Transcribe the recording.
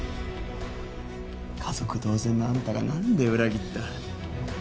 家族同然のあんたがなんで裏切った？